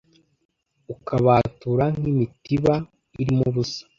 Ukabatura nk'imitiba, irimo ubusa